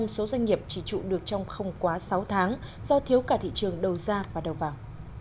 năm mươi số doanh nghiệp chỉ trụ được trong không quá sáu tháng do thiếu cả thị trường đầu ra và đầu vào